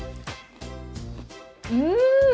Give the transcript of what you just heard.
うん！